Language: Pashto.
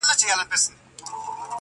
باد د غرونو له منځه راځي،